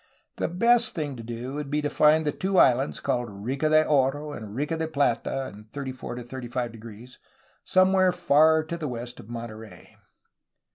The best thing to do would be to find the two islands called Rica de Oro and Rica de Plata in 34° to SS*', somewhere far to the west of Monterey.